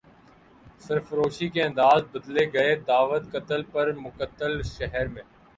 سرفروشی کے انداز بدلے گئے دعوت قتل پر مقتل شہر میں